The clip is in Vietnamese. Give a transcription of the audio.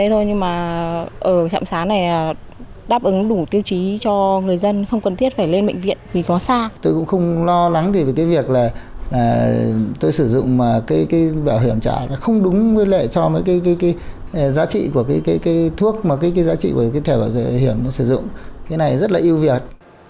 tôi cũng không lo lắng vì cái việc là tôi sử dụng bảo hiểm chặt nó không đúng với lệ cho giá trị của thuốc mà giá trị của thể bảo hiểm sử dụng cái này rất là yêu việt